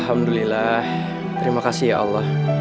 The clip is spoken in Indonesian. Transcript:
alhamdulillah terima kasih ya allah